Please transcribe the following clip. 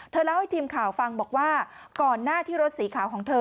เล่าให้ทีมข่าวฟังบอกว่าก่อนหน้าที่รถสีขาวของเธอ